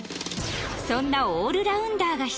そんなオールラウンダーがひしめく